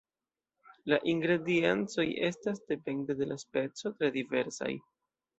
La ingrediencoj estas, depende de la speco, tre diversaj.